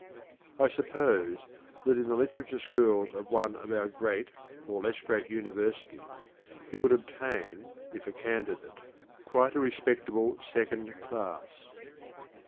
I suppose that in the literature schools of one of our great, or less great, universities, he would obtain, if a candidate, quite a respectable second class.